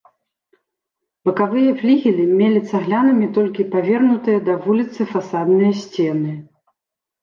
Бакавыя флігелі мелі цаглянымі толькі павернутыя да вуліцы фасадныя сцены.